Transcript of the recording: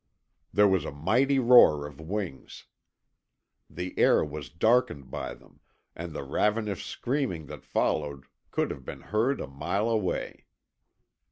There was a mighty roar of wings. The air was darkened by them, and the ravenish screaming that followed could have been heard a mile away.